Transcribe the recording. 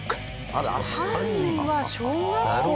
犯人は小学校教師。